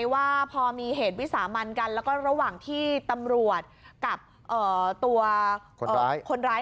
เหมือนที่บอกไงว่าพอมีเหตุวิสามันกันแล้วก็ระหว่างที่ตำรวจกับตัวคนร้าย